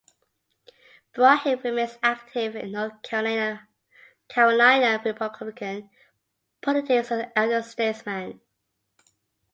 Broyhill remains active in North Carolina Republican politics as an elder statesman.